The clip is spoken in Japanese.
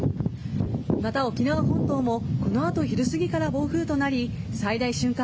また、沖縄本島もこの後、昼過ぎから暴風となる最大瞬間